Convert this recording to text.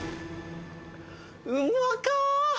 うまかー。